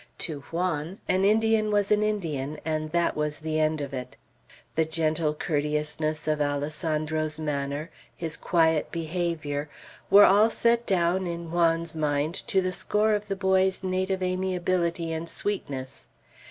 To Juan, an Indian was an Indian, and that was the end of it. The gentle courteousness of Alessandro's manner, his quiet behavior, were all set down in Juan's mind to the score of the boy's native amiability and sweetness.